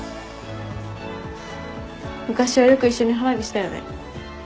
昔はよく一緒に花火したよね。